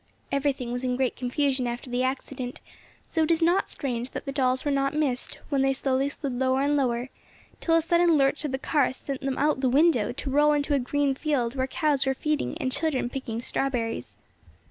Everything was in great confusion after the accident, so it is not strange that the dolls were not missed when they slowly slid lower and lower till a sudden lurch of the car sent them out of the window to roll into a green field where cows were feeding and children picking strawberries.